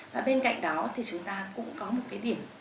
và bên cạnh đó thì chúng ta cũng có một cái điểm